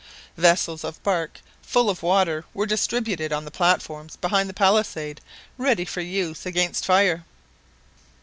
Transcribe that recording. Vessels of bark full of water were distributed on the platforms behind the palisade ready for use against fire.